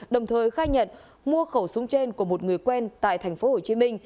đồng thời khai nhận mua khẩu súng trên của một người quen tại tp hcm